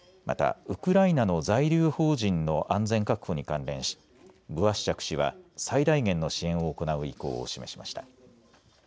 また、ウクライナの在留邦人の安全確保に関連しブワシュチャク氏は最大限の支援を行う意向を示しました。